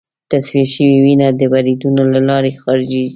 تصفیه شوې وینه د وریدونو له لارې خارجېږي.